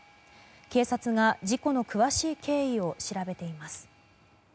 警察が事故の詳しい経緯を調べています。